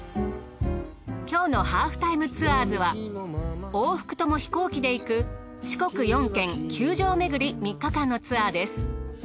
今日の『ハーフタイムツアーズ』は往復とも飛行機で行く四国４県９城めぐり３日間のツアーです。